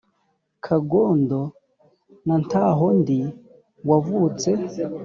kagondo na ntahondi wavutse